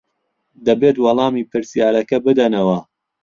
دەبێت وەڵامی پرسیارەکە بدەنەوە.